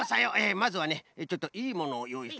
まずはねちょっといいものをよういしたから。